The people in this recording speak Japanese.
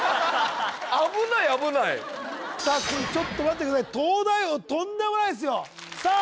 危ない危ないちょっと待ってください東大王とんでもないすよさあ